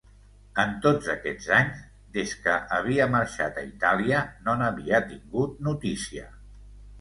En tots aquests anys, des que havia marxat a Itàlia, no n'havia tingut notícia.